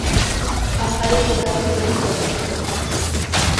Аха иахьагаз здырхуада?